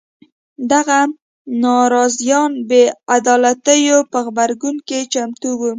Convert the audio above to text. دغه ناراضیان بې عدالیتو په غبرګون کې چمتو وو.